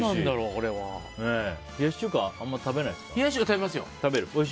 冷やし中華、あんまり食べますよ。